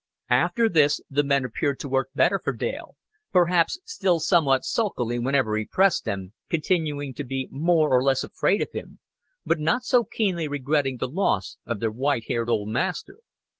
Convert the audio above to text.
After this the men appeared to work better for Dale; perhaps still somewhat sulkily whenever he pressed them, continuing to be more or less afraid of him, but not so keenly regretting the loss of their white haired old master.